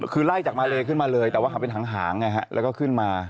คือไล่จากมาเลขึ้นมาเลยแต่ว่าเขาเป็นหางแล้วก็ขึ้นมา